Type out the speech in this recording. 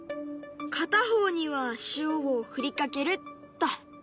片方には塩を振りかけるっと。